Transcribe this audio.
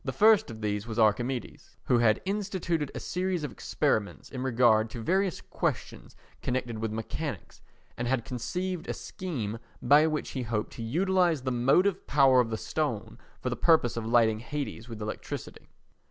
The first of these was Archimedes who had instituted a series of experiments in regard to various questions connected with mechanics and had conceived a scheme by which he hoped to utilise the motive power of the stone for the purpose of lighting Hades with electricity.